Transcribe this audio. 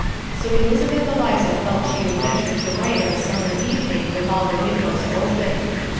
So Elizabeth Eliza felt she would venture to write of a summer evening with all the windows open.